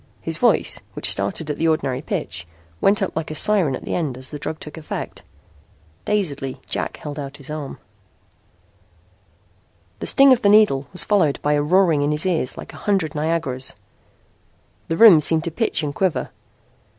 His voice, which started at the ordinary pitch, went up like a siren at the end as the drug took effect. Dazedly Jack held out his arm. The sting of the needle was followed by a roaring in his ears like a hundred Niagaras. The room seemed to pitch and quiver.